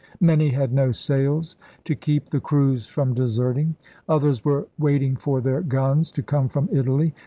Many had no sails — to keep the crews from deserting. Others were waiting for their guns to come from Italy.